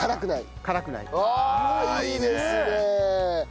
ああいいですね！